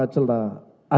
karena cerjaan kita